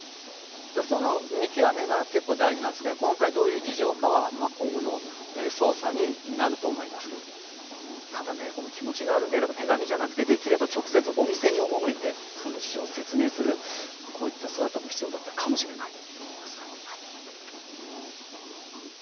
その見極めが大事なんですけど今回どういう事情かは今後の捜査になるとただ気持ちがあるのであれば手紙じゃなくて直接お店に赴いてその事情を説明する姿も必要だったかもしれないと思いますが。